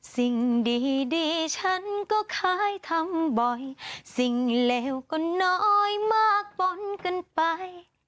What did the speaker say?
สิ่งดีดีฉันก็เคยทำบ่อยสิ่งเลวก็น้อยมากปนกันไป